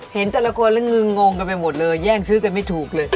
เห็นแต่ละคนแล้วงึงงกันไปหมดเลยแย่งซื้อกันไม่ถูกเลย